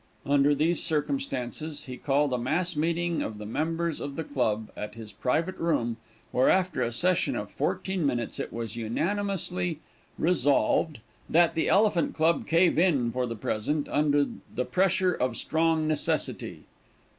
Under these circumstances, he called a mass meeting of the members of the club, at his private room, where, after a session of fourteen minutes it was unanimously Resolved, That the Elephant Club cave in for the present, under the pressure of strong necessity.